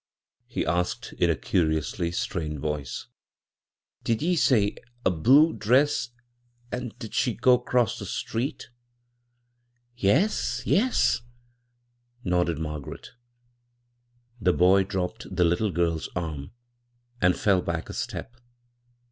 he asked in a curi ously strained voice. " Did ye say a ' blue dress,' an' did she go 'cross the street? "" Yes, yes," nodded Margaret The boy dropped the little girl's arm and fell back a step.